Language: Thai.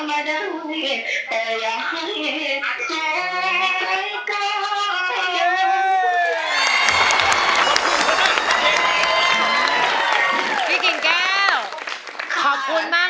งั้นให้พี่กิ่งแก้วอวยพรซีน่าหน่อย